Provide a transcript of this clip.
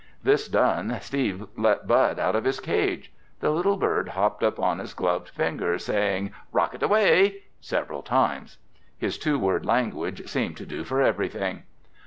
This done, Steve let Bud out of his cage. The little bird hopped up on his gloved finger, saying, "Rocket away!" several times. His two word language seemed to do for everything.